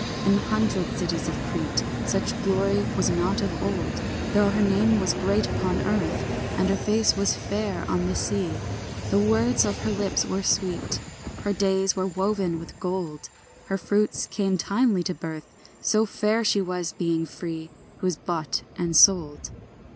In the hundred cities of Crete Such glory was not of old, Though her name was great upon earth And her face was fair on the sea. The words of her lips were sweet, Her days were woven with gold, Her fruits came timely to birth; So fair she was, being free, Who is bought and sold.